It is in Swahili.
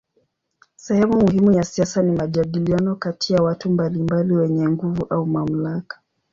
Sehemu muhimu ya siasa ni majadiliano kati ya watu mbalimbali wenye nguvu au mamlaka.